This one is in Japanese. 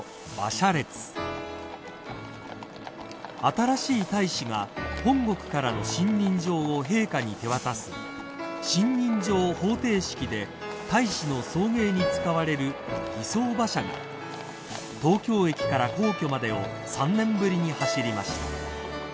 ［新しい大使が本国からの信任状を陛下に手渡す信任状捧呈式で大使の送迎に使われる儀装馬車が東京駅から皇居までを３年ぶりに走りました］